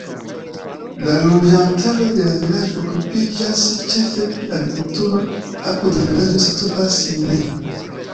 La loĝantaro de la vilaĝo okupiĝas ĉefe pri agrikulturo; apud la vilaĝo situas minejo.